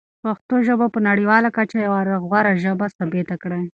پښتو ژبه په نړیواله کچه یوه غوره ژبه ثابته کړئ.